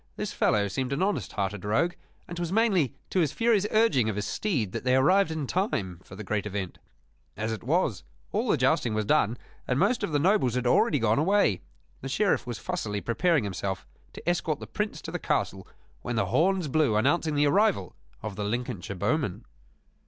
This fellow seemed an honest hearted rogue; and 'twas mainly to his furious urging of his steed that they arrived in time for the great event. As it was, all the jousting was done, and most of the nobles had already gone away. The Sheriff was fussily preparing himself to escort the Prince to the castle when the horns blew announcing the arrival of the Lincolnshire bowmen.